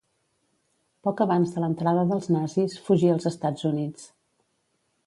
Poc abans de l'entrada dels nazis, fugí als Estats Units.